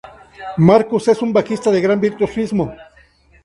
Markus es un bajista de gran virtuosismo.